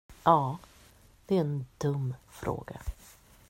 Ja, det är en dum fråga.